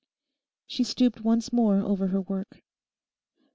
She stooped once more over her work.